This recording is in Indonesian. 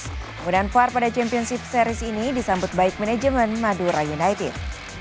kemudian var pada championship series ini disambut baik manajemen madura united